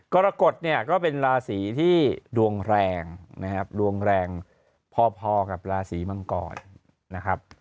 กรกฎเนี่ยก็เป็นราศีที่ดวงแรงนะครับดวงแรงพอกับราศีมังกรนะครับ